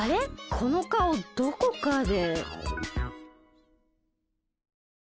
このかおどこかで。